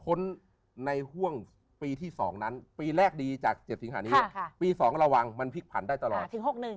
้นในห่วงปีที่๒นั้นปีแรกดีจาก๗สิงหานี้ปี๒ระวังมันพลิกผันได้ตลอดถึง๖๑